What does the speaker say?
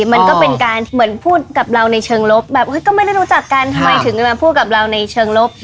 มันก็เป็นการเหมือนพูดกับเราในเชิงลบแบบเฮ้ยก็ไม่ได้รู้จักกันทำไมถึงมาพูดกับเราในเชิงลบ